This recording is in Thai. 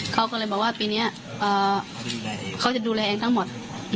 เขาก็เลยบอกว่าปีนี้เขาจะดูแลเองทั้งหมด